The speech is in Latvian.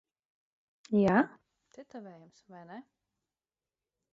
Jā, tetovējums. Vai ne?